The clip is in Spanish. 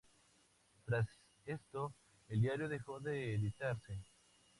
Tras esto, el diario dejó de editarse.